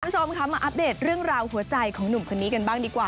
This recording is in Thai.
คุณผู้ชมค่ะมาอัปเดตเรื่องราวหัวใจของหนุ่มคนนี้กันบ้างดีกว่า